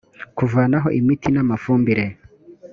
kuvanaho imiti n’amafumbire